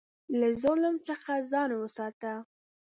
له ظلم څخه ځان وساته.